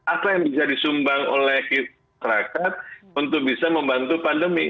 apa yang bisa disumbang oleh masyarakat untuk bisa membantu pandemi